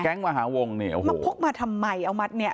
แก๊งก์มหาวงเนี่ยมาพกมาทำไมเอามัดเนี่ย